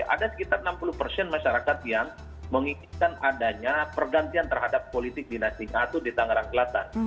ada sekitar enam puluh persen masyarakat yang menginginkan adanya pergantian terhadap politik dinasti ngatur di tangerang selatan